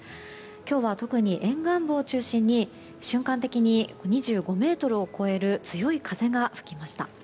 今日は、特に沿岸部を中心に瞬間的に２５メートルを超える強い風が吹きました。